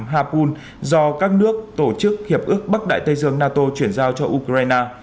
hapul do các nước tổ chức hiệp ước bắc đại tây dương nato chuyển giao cho ukraine